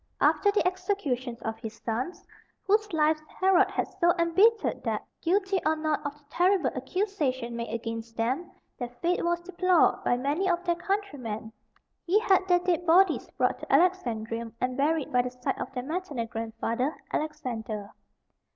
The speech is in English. After the execution of his sons, whose lives Herod had so embittered that, guilty or not of the terrible accusation made against them, their fate was deplored by many of their countrymen, he had their dead bodies brought to Alexandrium, and buried by the side of their maternal grandfather, Alexander.